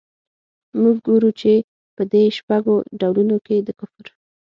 موږ ګورو چي په دې شپږو ډولونو کي د کفر.